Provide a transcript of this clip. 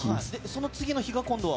その次の日は、今度は？